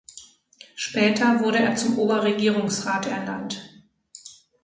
Später wurde er zum Oberregierungsrat ernannt.